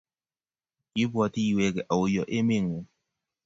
Kibbwoti iweke auyo emet ngung?